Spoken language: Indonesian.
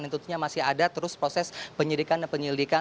dan tentunya masih ada terus proses penyelidikan dan penyelidikan